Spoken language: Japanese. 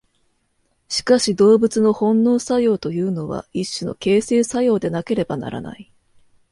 しかし動物の本能作用というのは一種の形成作用でなければならない。